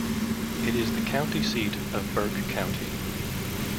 It is the county seat of Burke County.